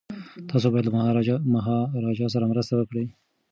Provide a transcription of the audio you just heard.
تاسي باید له مهاراجا سره مرسته وکړئ.